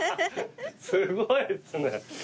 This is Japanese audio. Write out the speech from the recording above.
すごいですね。